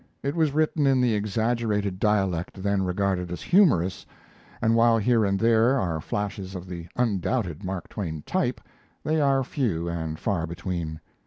It was written in the exaggerated dialect then regarded as humorous, and while here and there are flashes of the undoubted Mark Twain type, they are few and far between.